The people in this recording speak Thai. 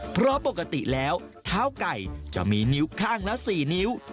เพราะปกติแล้วเท้าไก่จะมีนิ้วข้างละ๔นิ้ว